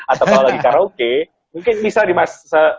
atau kalau lagi karaoke mungkin bisa di mas